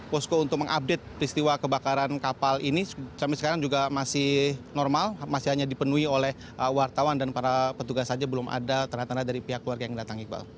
posko untuk mengupdate peristiwa kebakaran kapal ini sampai sekarang juga masih normal masih hanya dipenuhi oleh wartawan dan para petugas saja belum ada ternyata dari pihak keluarga yang datang iqbal